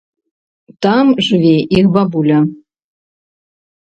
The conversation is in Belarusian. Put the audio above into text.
Там жыве іх бабуля.